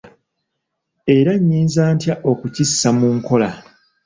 Era nnyinza ntya okukissa mu nkola?